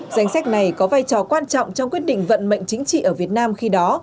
danh sách này có vai trò quan trọng trong quyết định vận mệnh chính trị ở việt nam khi đó